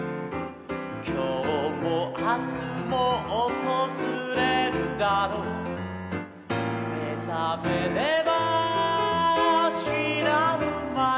「きょうもあすもおとずれるだろう」「めざめればしらぬまに」